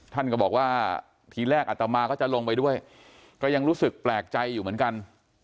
ท่านก็บอกว่าทีแรกอัตมาก็จะลงไปด้วยก็ยังรู้สึกแปลกใจอยู่เหมือนกัน